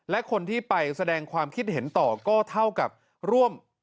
และคนที่ไปแสดงความคิดเห็นต่อก็เท่ากับร่วม